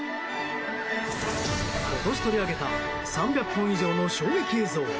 今年、取り上げた３００本以上の衝撃映像。